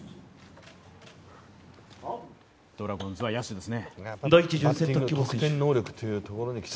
ドラゴンズは野手ですね。